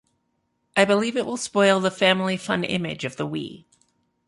I believe it will spoil the family fun image of the Wii.